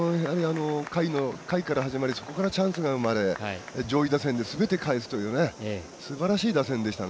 下位から始まりそこからチャンスが生まれ上位打線ですべて返すというすばらしい打線でした。